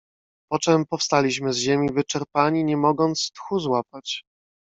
"Poczem powstaliśmy z ziemi wyczerpani, nie mogąc tchu złapać."